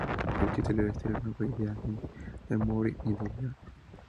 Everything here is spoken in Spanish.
El título de la historia no fue idea ni de Moore ni de Lloyd.